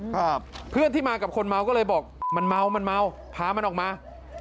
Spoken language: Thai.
ครับเพื่อนที่มากับคนเมาก็เลยบอกมันเมามันเมาพามันออกมา